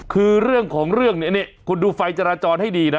คือเรื่องของเรื่องเนี่ยคุณดูไฟจราจรให้ดีนะ